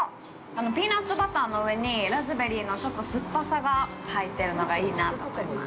ピーナツバターの上にラズベリーのちょっと酸っぱさが入ってるのがいいなぁと思います。